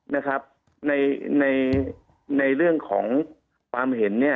ในเรื่องของความเห็น